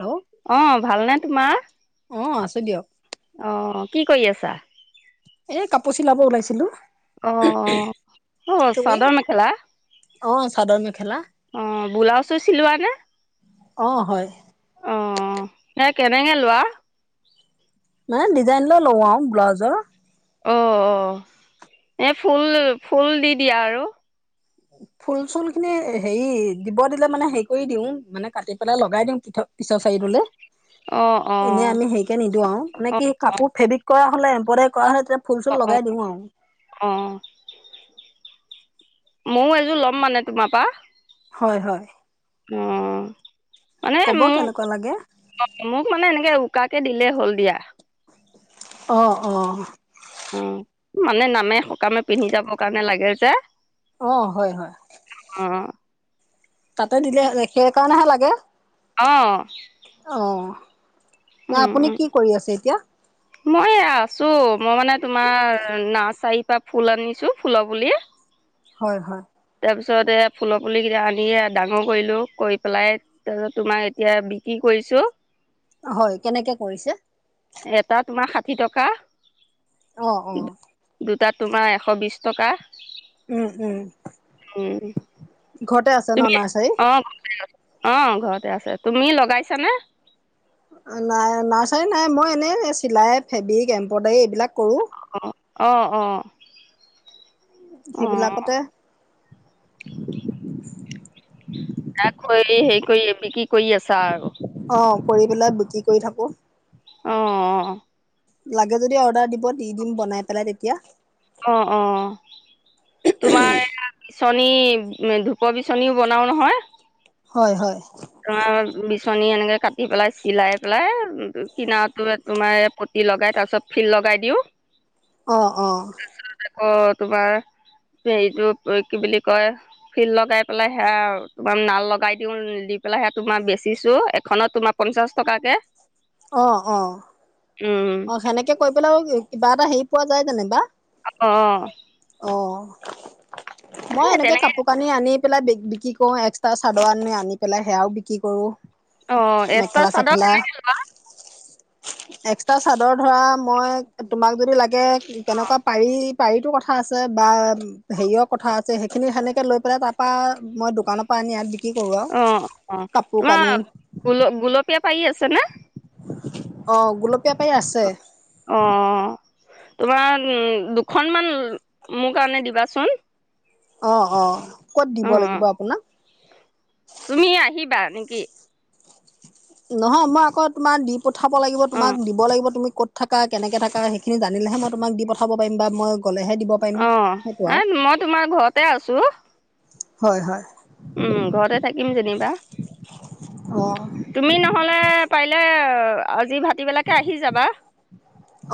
Hello আহ ভালনেে তোমাৰ অ আছো দিয়ক আহ্ কি কৰি আছা? এ কাপোৰ চিলাব ওলাইছিলো। অ তুমি চাদৰ মেখেলা। অ চাদৰ মেখেলা। অ ব্লাউজো চিলোৱা নে? অ হয় অ এ কেনেকে লোৱা? ন ডিজাইন ল লোৱাওঁ ব্লউজ। অ অ এ ফুল ফুল দি দিয়া আৰু ফুল চুল খিনি হেৰি দিব দিলে মানে হেৰি কৰি দিওঁ মানে কাটি পেলাই লগাই দিওঁ পি পিছৰ চাৰিটোলে। অ অ এনে আমি সেকে নিদো আৰু মানে অ কি অ কাপোৰ ফেব্ৰিক কৰা হ'লে এম্ব্ৰইডাৰী কৰা হলে। ত অ ফুল-চুল অ লগাই দিওঁ আৰু। অ ময়ো এযোৰ লম মানে তোমাৰ পা। হয়-হয়। উম, মানে কেনেকুৱা লাগে মোক-মোক মানে এনেকে উকাকে দিলে হল দিয়া। অ-অ, উ, মানে নামে সকামে পিন্ধি যাব কাৰণে লাগে যে, অ', হয়-হয়। অ তাতে দিলে সেই কাৰণেহে লাগে। অ আহ, উম নাই আপুনি উম কি কৰি আছে এতিয়া? মই আছো মই মানে তোমাৰ নাৰ্চাৰীৰ পৰা ফুল আনিছো ফুলৰ পুলি। হয়-হয়, তাৰ পিছত এ ফুলৰ পুলি কেইটা আনি ডাঙৰ কৰিলো কৰি, পেলাই তাৰপিছত তোমাৰ এতিয়া বিক্ৰী কৰিছো। হয়, কেনেকে কৰিছে? এটা তোমাৰ ষাঠি টকা। অহ, অ দুটাত তোমাৰ এশ বিশছ টকা। উম-উম, উম ঘৰতে আছে ন তুমি নাৰ্চাৰী? অ অ' ঘৰতে আছে, তুমি লগাইছানে? নাই, নাৰ্চাৰী নাই, মই এনেই চিলাই, ফেব্ৰিক, এমব্ৰইডাৰী এইবিলাক কৰোঁ। অ অ' অ', অ সেইবিলাকতে [unintelligible] [unintelligible] কৰি হেই কৰি বিকি কৰি আছা আৰু। অ কৰি পেলাই বিকি কৰি থাকো। অ-অ, লাগে, যদি অৰ্ডাৰ দিব দি দিম বনাই পেলাই তেতিয়া। অ অ চনী ধূপৰ বিচনীও বনাও নহয়। হয়-হয়, তোমাৰ বিচনী এনেকৈ কাটি পেলাই, চিলাই পেলাই কিনাৰটো তোমাৰ পটি লগাই তাৰপিছত ফিল লগাই দিওঁ। অ'-অ', অ', তোমাৰ হেৰিটো কি বুলি কয়, ফিল্ লগাই পেলাই সেয়া তোমাৰ নাল লগাই দিও দি। পেলাহে তোমাৰ বেচিছো এখনত তোমাৰ পঞ্চাশ টকাকে, অহ-অহ উম অ' সেনেকে কৈ পেলাই আৰু কিবা এটা হেৰি পোৱা যায় যেনিবা। অ অ মই এনেকে তেনেকে কাপোৰ কানি আনি পেলাই বি বিক্ৰী কৰো এক্সট্ৰা চাদৰ আনি আনি পেলাই সেয়াও বিক্ৰী কৰো। অ এক্সট্ৰা চাদৰ কেনেকে লোৱা, এক। চাদৰ ধৰা মই তোমাক যদি লাগে, কেনেকুৱা পাৰি, পাৰিতো কথা আছে বা হেৰিয়ৰ কথা আছে সেইখিনি সেনেকে লৈ পেলাই তাৰ পৰা মই দোকানৰ পৰা আনি, বিক্ৰী কৰো আৰু অ অ কাপোৰ কানি তোমাৰ গুল গুলপীয়া, পাৰি আছে নে, অ গুলপীয়া পাৰি আছে, অ। তোমাৰ দুখনমান মোৰ কাৰণে দিবাচোন, অ অ ক'ত অ দিব লাগিব আপোনাক তুমি আহিবা নে? কি, নহয় মই আকৌ তোমাৰ দি, পঠাব লাগিব অ তোমাকিব লাগিব তুমি ক' থাকা কেনেকৈ থাকা সেইখিনি জানিলেহে মই তোমাক দি পঠাব পাৰিম বা মই, গ'লেহে দিব পাৰিম সেইটো আৰু অঁহ মই তোমাৰ ঘৰতে আছো, হয় হয়। উম ঘৰতে যেনিবা অ তুমি নহলে, পাৰিলে আজি ভাত,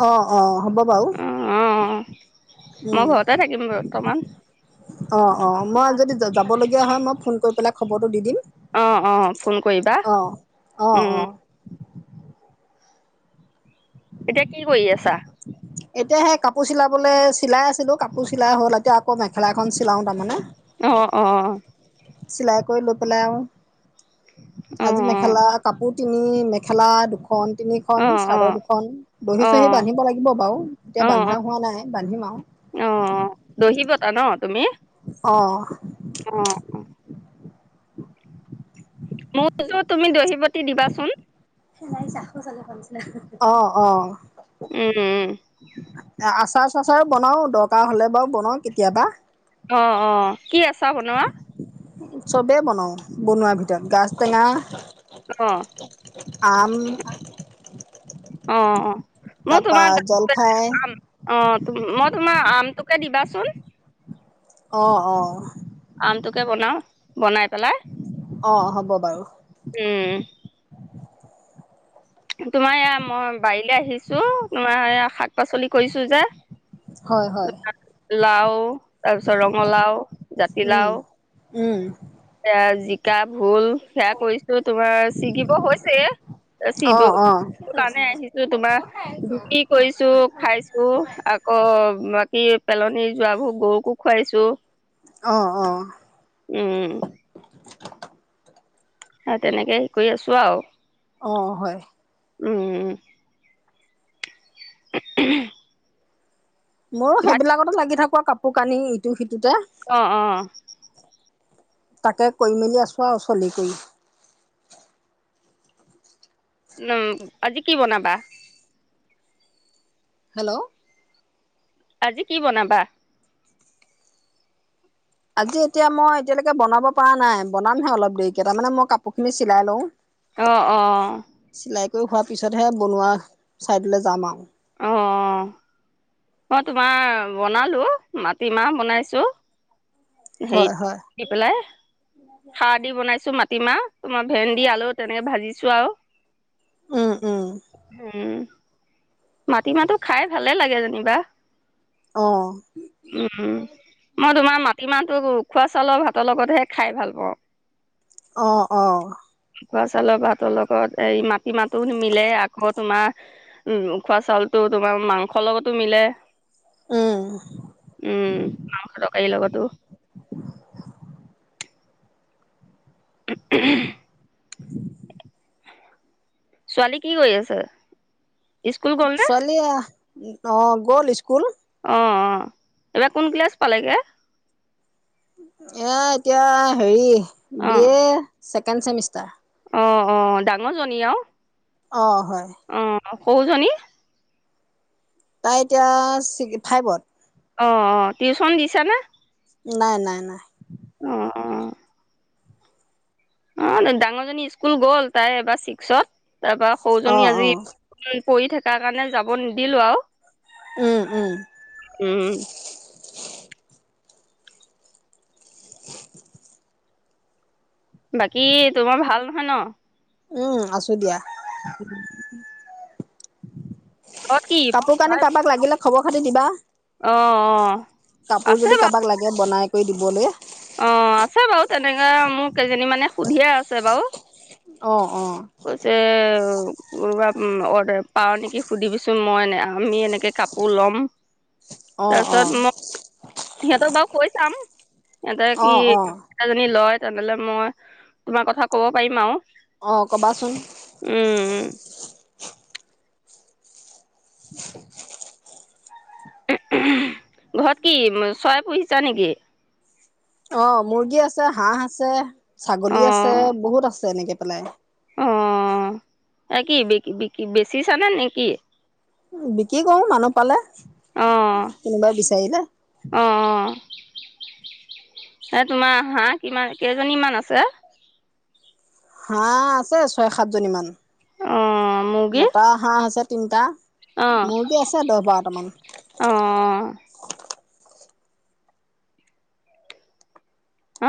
অ অ হ'ব বাৰু অ অ মই উম ঘৰতে থাকিম বৰ্তমান অ অ মই যদি যাবলগীয়া হয় মই ফোন, কৈ পেলাই খবৰটো দি দিম, অঁ অঁ ফোন কৰিবা অ অ অ উম, এতিয়া কি কৰি আছা? এতিয়া সেই কাপোৰ চিলাবলৈ চিলাই আছিলোঁ কাপোৰ চিলাই হ'ল এতিয়া আকৌ মেখেলা এখন চিলাওঁ তাৰমানে, অ অ চিলাই কৰি লৈ পেলাও আৰু, অ অ আজি মেখেলা কাপোৰ, তিনি মেখেলা দুখন, দুখন অ তিনিখন চাদৰ দুখন দহি অ অ চহি বান্ধিব লাগিব বাৰু এতিয়া অ বান্ধা হোৱা নাই বান্ধিম আৰু, অ অ অঁ অঁ। মোৰযোৰ তুমি দহিবাতি দিবাচোন। অঁ অঁ। উম উম চাৰ বনাওঁ দৰকাৰ হ'লে বাৰু বনাওঁ কেতিয়াবা, অঁ অঁ কি আছা বনোৱা। চবেই বনাওঁ বনোৱাৰ ভিতৰত গাজ টেঙা। অ আম, অ অ মই তাৰ পা তোমাৰ গা- জলফাই আম অ মই তোমাৰ আমটোকে দিবাচোন অ অ আমটোকে বনাও বনাই পেলাই অ হ'ব বাৰু উম তোমাৰ এয়া মই বাৰীলে আহিছো তোমাৰ শাক পাচলি কৰিছো যে। হয়, হয়, লাও তাৰপিছত ৰঙালাও। উম। জাতিলাও উম, এয়া জিকা ভোল সেয়া কৰিছো তোমাৰ ছিগিব হৈছে চি অ', অ', কাৰণে আহিছো তোমাৰ বিকি কৰিছো খাইছো আকৌ সে পেলনি যোৱাবোৰ গৰুকো খুৱাইছো অ অ উম [inaudible] হ তেনেকে হে কৰি আছো আৰু অহ হয় উম [unintelligible] মইও ভাত সেইবিলাকতো লাগি থাকো পোৱা কাপোৰ কানি ইটো সিটোতে অ অ তাকে কৰি মেলি আছোঁ আৰু চলি কৰি। উম আজি কি বনাবা‌? হেল্ল'। আজি কি বনাবা? আজি এতিয়া মই এতিয়ালৈকে বনাব পৰা নাই বনামহে অলপ দেৰিকে তাৰমানে মই কাপোৰ খিনি চিলাই লওঁ। অ অ। হৈ হোৱাৰ পিছতহে বনোৱা ছাইডলৈ যাম আও অ মই তোমাৰ বনালো মাটিমাহ বনাইছো হয়, হেৰিত হয়, দি পেলাই খাৰ দি বনাইছো মাটিমাহ তোমাৰ ভেন্দি আলু তেনেকে ভাজিছ চো আও উম, উম। উম মাটিমাহটো খাই ভালে লাগে যেনিবা। অ', উম মই তোমাৰ মাটিমাহ ওখোৱা চাউলৰ ভাতৰ লগতহে খাই ভাল পাওঁ। অহ অহ ওখোৱা চাউলৰ ভাতৰ লগত এই মাটি মাহতো নিমিলে আকৌ তোমাৰ উ ওখোৱা চাউল তো তোমাৰ মাংসৰ লগতো মিলে। উম, উম মাংস তৰকাৰীৰ লগতো [unintelligible] উ [unintelligible] ছোৱালী কি কৰি আছে? স্কুল গ'ল নে ছোৱালী, অ গ'ল স্কুল। অ এইবাৰ কোন ক্লাছ পালেগে? ইয়া এতিয়া হেৰি, অ বিয়ে, ছেকেণ্ড চেমিষ্টাৰ। অ অ ডাঙৰ জনী আৰু, অঁ হয়। অঁ সৰু জনি? তাই এতিয়া ফাইভত। অঁ অঁ টিউচন দিছানে? নাই নাই নাই। অঁ অঁ। অ ডাঙৰজনী স্কুল গ'ল তাই এবাৰ ছিক্সত, তাৰ পৰা অ সৰুজনী অ আজি, কৰি থকা কাৰণে যাব নিদিলো আৰু, উম উম। উ [unintelligible] উম বাকী তোমাৰ ভাল নহয় ন? উম আছো দিয়া। উম [unintelligible] কাপোৰ কানি কাৰোবাক লাগিলে, খবৰ খাতি দিবা, অ অ আছে বাৰু। দিবলে। অঁ আছে বাৰু তেনেকে মোক কেইজনী মানে সুধিয়ে আছে বাৰু। অ অ কৈছে। কবা অৰ্ডাৰ পাওঁ নেকি, সুধিবিচোন মই আমি এনেকে কাপোৰ ল'ম। অ তাৰপিছত মই সিহঁতক বাৰু, কৈ চাম। অ অ অ [unintelligible] তেনেহ'লে মই তোমাৰ কথা কব পাৰিম আৰু, অঁ কবাচোন, উম ঘৰত কি চৰাই পুহিছা নেকি? অঁ মুৰ্গী আছে হাঁহ আছে, অ ছাগলী আছে বহুত আছে এনেকে আপেলাই [unintelligible] অ এই কি বিক বিকি বেছি চানে নেকি? বিক্ৰী কৰো মানুহ পালে অ কোনোবাই বিচাৰিলে অ এ তোমাৰ হাহ কিমান কেইজনীমান আছে? হাঁহ আছে ছয় সাত জনী মান অ মুৰ্গী মতা হাঁহ আছে তিনটা অ মৰ্গী আছে দহ বাৰটামান অ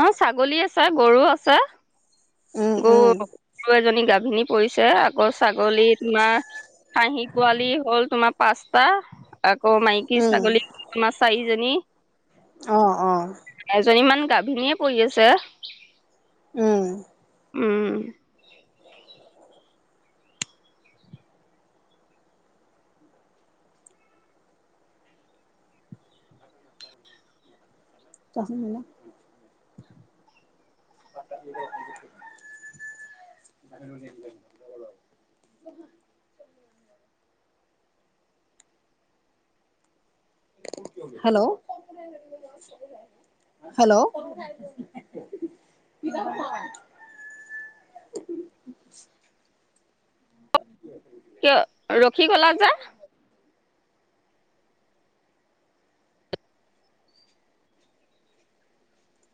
অ ছাগলী আছে গৰু আছে উম গৰু উম গৰু এজনী গাভিনী পৰিছে আকৌ ছাগলী তোমাৰ হাঁহি পোৱালি হল তোমাৰ পাঁচটা আকৌ মাইকী উম ছাগলী তোমাৰ চাৰিজনী অ অ এজনী মান গাভ ভিনিয়ে পুহি আছে উম উম তাহ ম [unintelligible] হেল্ল' হেল্ল' [unintelligible] কিয় ৰখি গলা যে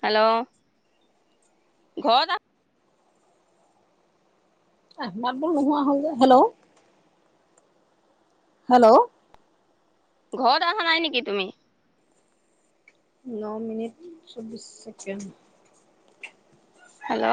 হেল্ল' ঘৰত আ আহ মাত বোৰ নোহোৱা হল যে হেল্ল' হেল্ল' ঘৰত অহা নাই নেকি তুমি? ন মিনিট চৌব্বিছ ছেকেণ্ড হেল্ল'